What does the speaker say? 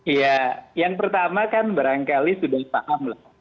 iya yang pertama kan barangkali sudah paham lah